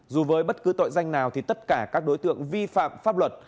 dù với bất cứ tội danh nào thì tất cả các đối tượng vi phạm pháp luật